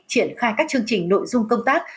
triển khai các chương trình nội dung công tác